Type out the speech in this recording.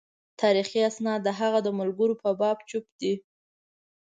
تاریخي اسناد د هغه د ملګرو په باب چوپ دي.